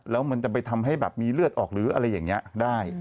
แล้วมันจะไปทำให้แบบมีเลือดออกหรืออะไรอย่างนี้ได้